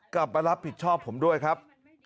กลับมารับผิดชอบผมด้วยครับ